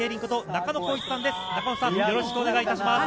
中野さん、よろしくお願いいたします。